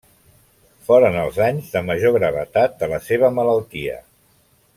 Foren els anys de major gravetat de la seva malaltia.